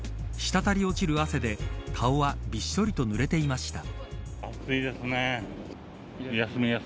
滴り落ちる汗で顔はびっしょりと濡れていました。